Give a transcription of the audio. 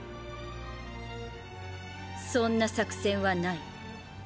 そんな作戦はない。